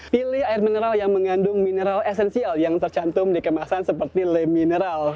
pilih air mineral yang mengandung mineral esensial yang tercantum di kemasan seperti le mineral